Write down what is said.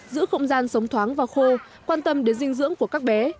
giữ không gian sống thoáng và khô quan tâm đến dinh dưỡng của các bé